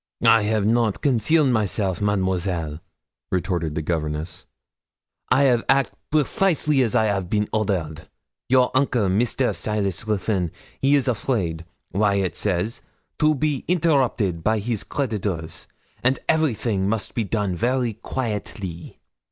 'I 'av not conceal myself, Mademoiselle,' retorted the governness. 'I 'av act precisally as I 'av been ordered. Your uncle, Mr. Silas Ruthyn, he is afraid, Waiatt says, to be interrupted by his creditors, and everything must be done very quaitly.